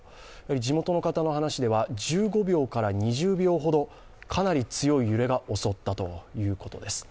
地元の方の話では１５秒から２０秒ほど、かなり強い揺れが襲ったということです。